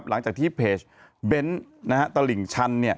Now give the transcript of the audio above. หลังจากที่เพจเบ้นตลิ่งชัน